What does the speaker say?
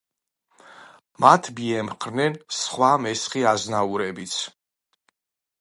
მათ მიემხრნენ სხვა მესხი აზნაურებიც.